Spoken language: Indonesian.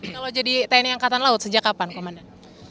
kalau jadi tni angkatan laut sejak kapan komandan